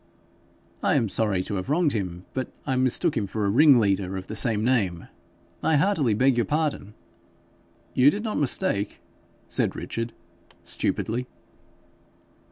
'I am sorry to have wronged him, but I mistook him for a ringleader of the same name. I heartily beg your pardon.' 'You did not mistake,' said Richard stupidly.